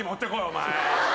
お前。